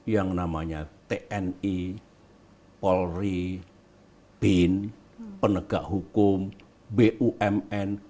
yang namanya tni polri bin penegak hukum bumn